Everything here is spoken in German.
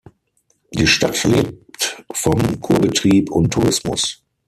Die Stadt lebt vom Kurbetrieb und Tourismus.